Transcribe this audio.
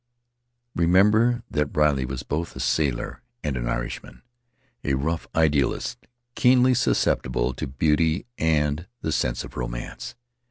Remember that Riley was both a sailor and an Irishman — a rough idealist, keenly susceptible to beauty and the sense of romance.